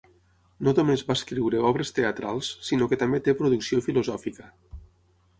No només va escriure obres teatrals sinó que també té producció filosòfica.